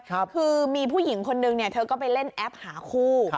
คือมีผู้หญิงคนนึงเนี่ยเธอก็ไปเล่นแอปหาคู่